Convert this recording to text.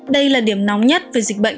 đây là điểm nóng nhất về dịch bệnh